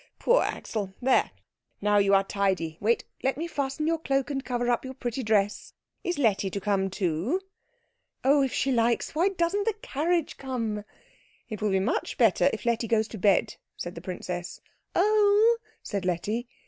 Poor Axel. There now you are tidy. Wait, let me fasten your cloak and cover up your pretty dress. Is Letty to come too?" "Oh if she likes. Why doesn't the carriage come?" "It will be much better if Letty goes to bed," said the princess. "Oh!" said Letty.